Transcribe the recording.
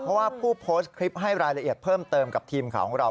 เพราะว่าผู้โพสต์คลิปให้รายละเอียดเพิ่มเติมกับทีมข่าวของเรา